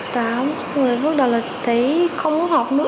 từ tám chúng tôi bắt đầu là thấy không muốn học nữa